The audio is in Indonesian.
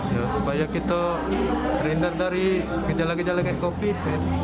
ya supaya kita terindah dari gejala gejala kayak covid sembilan belas